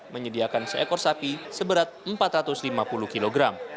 menyediakan seekor sapi seberat empat ratus lima puluh kg